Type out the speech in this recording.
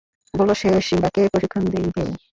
বললো সে সিম্বাকে প্রশিক্ষণ দিবে!